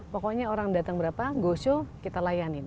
pokoknya orang datang berapa go show kita layanin